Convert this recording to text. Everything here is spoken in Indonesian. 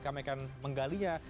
kami akan menggalinya